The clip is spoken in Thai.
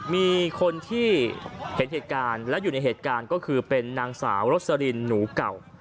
มีคนที่เห็นเหตุการณ์และอยู่ในเหตุการณ์ก็คือเป็นนางสาวรสลินหนูเก่า